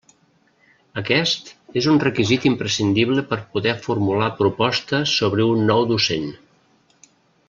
Aquest és un requisit imprescindible per poder formular proposta sobre un nou docent.